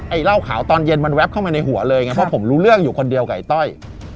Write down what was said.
เหล้าขาวตอนเย็นมันแป๊บเข้ามาในหัวเลยไงเพราะผมรู้เรื่องอยู่คนเดียวกับไอ้ต้อย